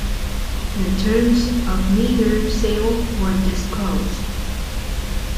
The terms of neither sale were disclosed.